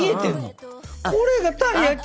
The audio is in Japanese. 「これがたい焼き？」